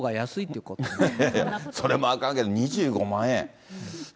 いやいや、それもあかんけど、２５万円。